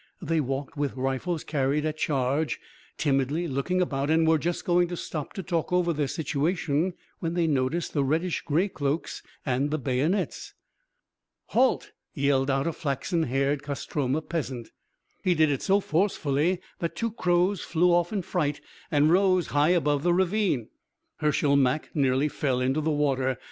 They walked with rifles carried at charge, timidly looking about and were just going to stop to talk over their situation, when they noticed the reddish grey cloaks and the bayonets. "Halt!" yelled out a flaxen haired Kostroma peasant. He did it so forcefully that two crows flew off in fright and rose high above the ravine. Hershel Mak nearly fell into the water.